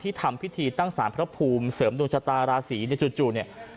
ทำพิธีตั้งสารพระภูมิเสริมดวงชะตาราศีในจู่เนี่ย